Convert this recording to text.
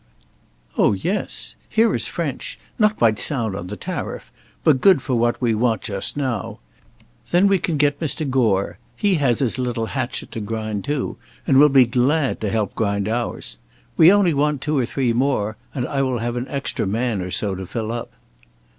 "Oh yes; here is French, not quite sound on the tariff, but good for what we want just now. Then we can get Mr. Gore; he has his little hatchet to grind too, and will be glad to help grind ours. We only want two or three more, and I will have an extra man or so to fill up."